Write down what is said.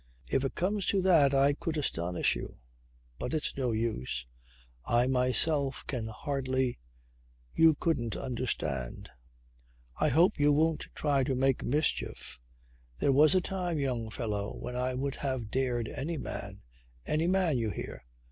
"If it comes to that I could astonish you. But it's no use. I myself can hardly ... You couldn't understand. I hope you won't try to make mischief. There was a time, young fellow, when I would have dared any man any man, you hear?